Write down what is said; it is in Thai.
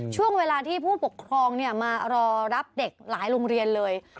ช่วงเวลาที่ผู้ปกครองมารอรับเด็กหลายโรงเรียนเลย